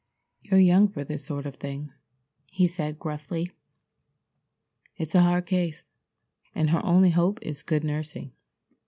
"You're young for this sort of thing," he said gruffly. "It's a hard case, and her only hope is good nursing.